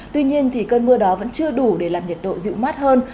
tuy nhiên cơn mưa đó vẫn chưa đủ để làm nhiệt độ dịu mát hơn